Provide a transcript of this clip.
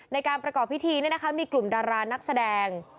ในการประกอบพิธีมีกลุ่มดารานักแสดง